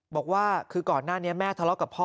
บอกว่าคือก่อนหน้านี้แม่ทะเลาะกับพ่อ